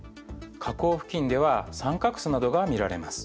河口付近では三角州などが見られます。